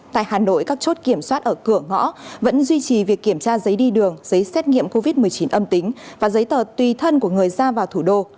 tại hà nội các chốt kiểm soát ở cửa ngõ vẫn duy trì việc kiểm tra giấy đi đường giấy xét nghiệm covid một mươi chín âm tính và giấy tờ tùy thân của người ra vào thủ đô